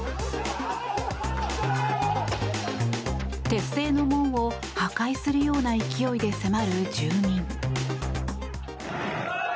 鉄製の門を破壊するような勢いで迫る住民。